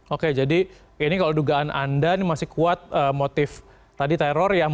oke jadi ini kalau dugaan anda ini masih kuat motif tadi teror yang